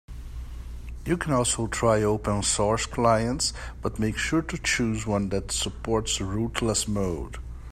You can also try open source clients, but make sure to choose one that supports rootless mode.